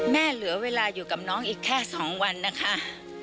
เหลือเวลาอยู่กับน้องอีกแค่๒วันนะคะ